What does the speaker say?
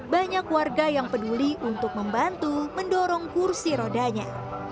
banyak warga yang peduli untuk membantu mendorong kursi rodanya